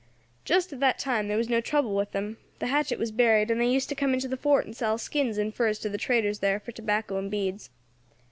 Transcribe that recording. "Just at that time there was no trouble with them; the hatchet was buried, and they used to come into the fort and sell skins and furs to the traders there for tobacco and beads.